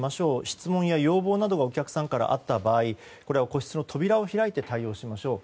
質問や要望などがお客さんからあった場合これは個室の扉を開いて対応しましょう。